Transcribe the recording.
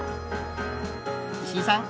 石井さん